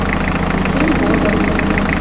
Техень годым